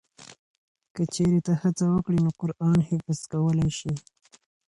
که چېرې ته هڅه وکړې نو قرآن حفظ کولی شې.